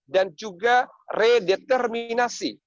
dan juga re determinasi